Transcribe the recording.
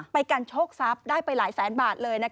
ไปกันโชคทรัพย์ได้ไปหลายแสนบาทเลย